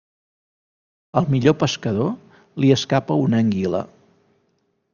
Al millor pescador, li escapa una anguila.